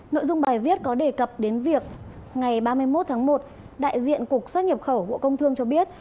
nội dung bài viết có đề cập đến việc ngày ba mươi một tháng một đại diện cục xuất nhập khẩu bộ công thương cho biết